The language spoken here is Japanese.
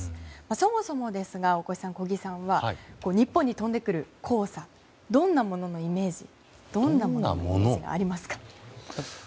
そもそもですが大越さん、小木さんは日本に飛んでくる黄砂どんなものというイメージがありますか？